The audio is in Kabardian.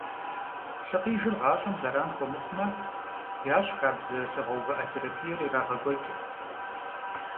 Лъыкъижыр гъащӏэм зэран хуэмыхъумэ, ящӏ хабзэ лъыгъэувыӏэ терапиер ирагъэкӏуэкӏ.